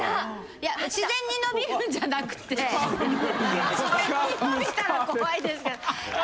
いや自然に伸びるんじゃなくて自然に伸びたら怖いですけど。